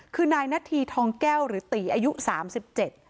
คือนายณฑีทองแก้วหรือตีอายุ๓๗ปี